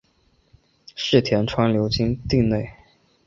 柿田川流经町内。